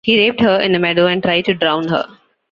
He raped her in a meadow and tried to drown her.